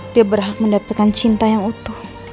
dia berhak mendapatkan cinta yang utuh